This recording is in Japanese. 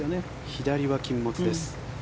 左は禁物です。